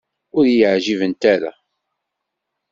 Ur yi-ɛǧibent ara.